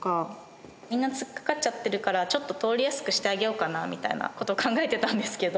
みんな突っ掛かっちゃってるからちょっと通りやすくしてあげようかなみたいなことを考えてたんですけど。